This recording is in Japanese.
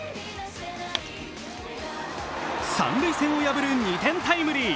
三塁線を破る２点タイムリー。